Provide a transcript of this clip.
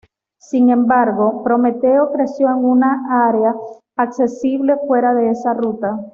Sin embargo, Prometeo creció en un área accesible fuera de esa ruta.